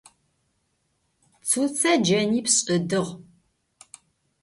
Çütse cenipş' ıdığ.